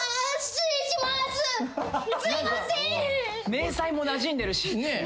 迷彩もなじんでるし。